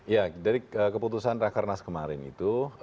ya dari keputusan rakernas kemarin itu